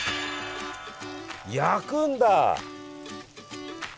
焼くんだ！